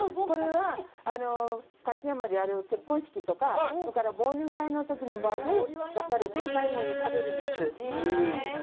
これは、勝山でやる結婚式とかそれから忘年会のときの場で出されて、最後に食べるんです。